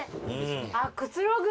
あっくつろぐ。